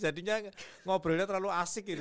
jadinya ngobrolnya terlalu asik gitu